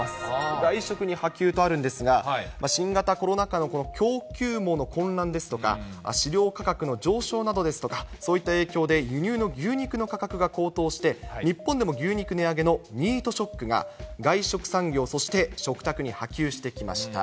外食に波及とあるんですが、新型コロナ禍の供給網の混乱ですとか、飼料価格の上昇などですとか、そういった影響で、輸入の牛肉の価格が高騰して、日本でも牛肉値上げのミートショックが、外食産業、そして食卓に波及してきました。